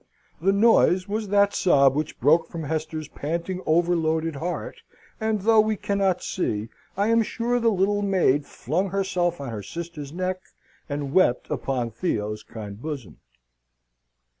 The noise was that sob which broke from Hester's panting, overloaded heart; and, though we cannot see, I am sure the little maid flung herself on her sister's neck, and wept upon Theo's kind bosom.